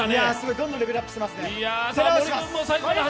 どんどんレベルアップしてますね。